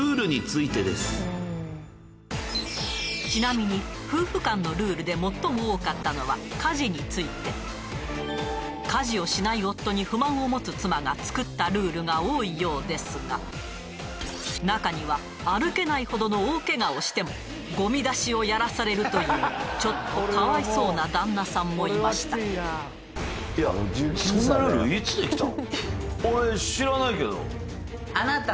ちなみに夫婦間のルールで最も多かったのは家事について家事をしない夫に不満を持つ妻が作ったルールが多いようですが中には歩けないほどの大けがをしてもゴミ出しをやらされるというちょっとかわいそうな旦那さんもいましたルールルール！